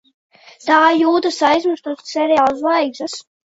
Tā jūtas aizmirsto seriālu zvaigznes.